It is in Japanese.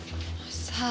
さあ。